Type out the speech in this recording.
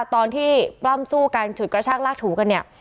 ตอนที่ปล้ำสู้กันฉุดกระชากลากถูกันเนี่ย